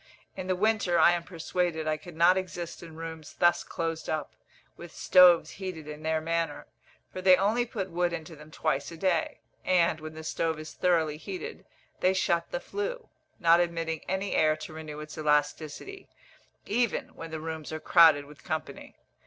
In the winter, I am persuaded, I could not exist in rooms thus closed up, with stoves heated in their manner, for they only put wood into them twice a day; and, when the stove is thoroughly heated, they shut the flue, not admitting any air to renew its elasticity, even when the rooms are crowded with company.